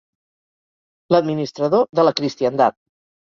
L'Administrador de la Cristiandat.